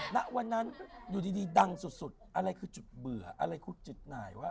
ณวันนั้นอยู่ดีดังสุดอะไรคือจุดเบื่ออะไรคือจุดไหนวะ